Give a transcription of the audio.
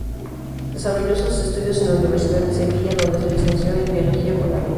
Desarrolló sus estudios en la Universidad de Sevilla, donde se licenció en Biología Fundamental.